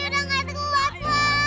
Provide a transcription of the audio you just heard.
noni udah gak kuat ma